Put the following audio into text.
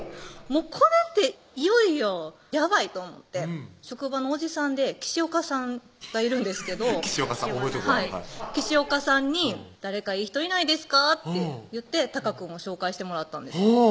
これっていよいよやばいと思って職場のおじさんで岸岡さんがいるんですけど岸岡さん覚えとくわ岸岡さんに「誰かいい人いないですか？」って言って隆くんを紹介してもらったんですほう